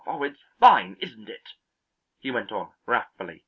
It's fine, isn't it?" he went on, wrathfully.